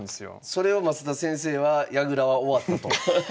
それを増田先生は矢倉は終わったと。